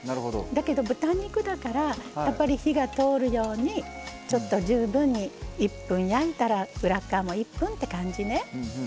だけど豚肉だからやっぱり火が通るようにちょっと十分に１分焼いたら裏側も１分って感じね。